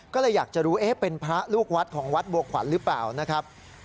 ก็เลยอยากจะรู้เป็นพระลูกวัดของวัดบัวขวัญหรือเปล่านะครับ